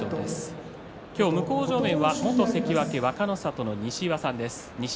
今日の向正面は元関脇若の里の西岩さんです。